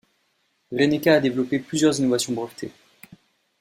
Reneka a développé plusieurs innovations brevetées.